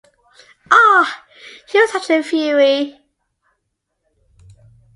Ah, he was in such a fury!